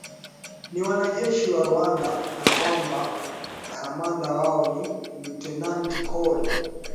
ni wanajeshi wa Rwanda na kwamba kamanda wao ni lutenati col